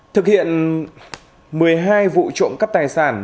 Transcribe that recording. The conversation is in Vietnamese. thực hiện một mươi hai vụ trộm cắp tài sản